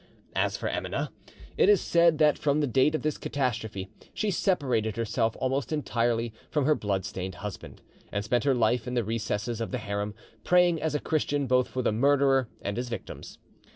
As for Emineh, it is said that from the date of this catastrophe she separated herself almost entirely from her blood stained husband, and spent her life in the recesses of the harem, praying as a Christian both for the murderer and his victims.